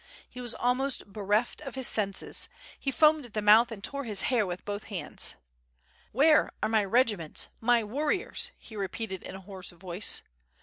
He was almost bereft of his senses; he foamed at the mouth and tore his hair with both hands. "Where are my regiments, my warriors?" he repeated in a hoarse voice.